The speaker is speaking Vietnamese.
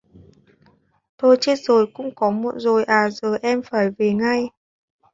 Thôi chết rồi cũng đã muộn rồi à giờ em phải về ngay